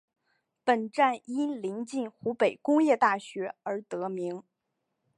本站因临近湖北工业大学而得名。